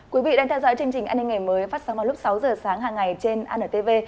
quý vị đang theo dõi chương trình an ninh ngày mới phát sóng vào lúc sáu giờ sáng hàng ngày trên antv